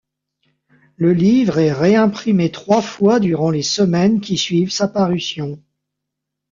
Le livre est réimprimé trois fois durant les semaines qui suivent sa parution.